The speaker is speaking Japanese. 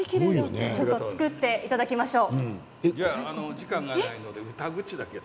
作っていただきましょう。